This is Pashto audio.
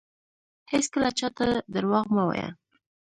هیڅکله چاته درواغ مه وایه